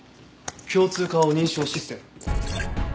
共通顔認証システム？